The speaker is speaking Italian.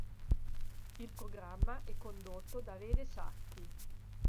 Il programma è condotto da Lele Sacchi.